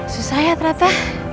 susah ya ternyata